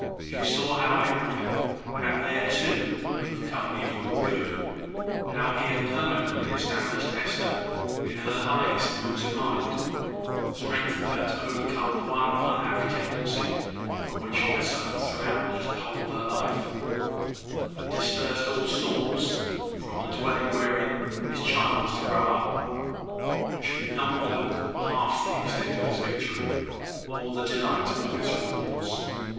She saw how Edward had there, too, `overcome evil with good' how he had permanently established Hester in her highest moods of mind, strengthened her to overcome the one unhappy tendency from which she had suffered through the whole of her life, and dispersed all storms from the dwelling wherein his child was to grow up: but she did not know half the extent of his victory, or the delight of its rewards.